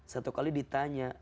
satu kali ditanya